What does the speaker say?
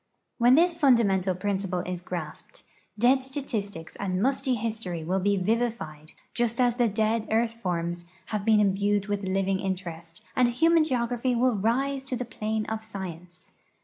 When this fundamental })rinciple is grasped, dead statistics and musty history will he vivified, just as the dead earth forms have been im bued with living interest, and human geography will rise to the ])lane of science.